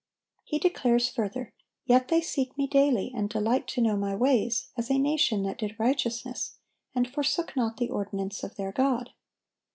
He declares further, "Yet they seek Me daily, and delight to know My ways, as a nation that did righteousness, and forsook not the ordinance of their God."